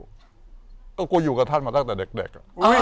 ก็กลัวอยู่กับท่านมาตั้งแต่เด็ก